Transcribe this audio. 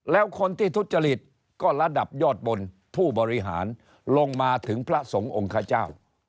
แล้วคนที่ทุจริตก็ระดับยอดบนผู้บริหารลงมาถึงพระสงฆ์องค์ขเจ้า